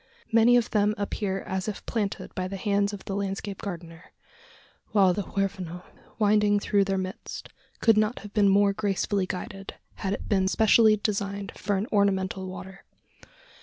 Many of them appear as if planted by the hands of the landscape gardener; while the Huerfano, winding through their midst, could not have been more gracefully guided, had it been specially designed for an "ornamental water."